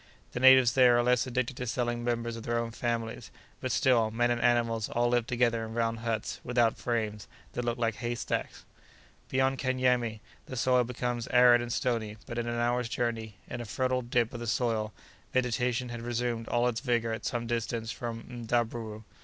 The natives there are less addicted to selling members of their own families, but still, men and animals all live together in round huts, without frames, that look like haystacks. Beyond Kanyemé the soil becomes arid and stony, but in an hour's journey, in a fertile dip of the soil, vegetation had resumed all its vigor at some distance from Mdaburu.